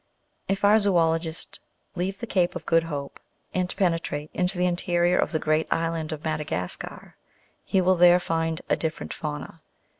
If our zoologist leave the Cape of Good Hope, and penetrate into the interior of the great island of Madagascar, he will there find a different fauna.